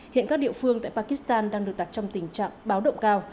hiện các địa phương tại pakistan đang được đặt trong tình trạng báo động cao